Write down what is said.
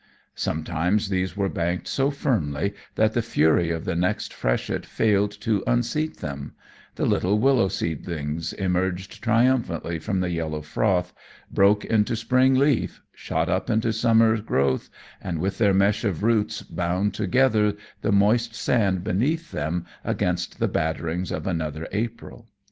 Sometimes these were banked so firmly that the fury of the next freshet failed to unseat them; the little willow seedlings emerged triumphantly from the yellow froth, broke into spring leaf, shot up into summer growth, and with their mesh of roots bound together the moist sand beneath them against the batterings of another April.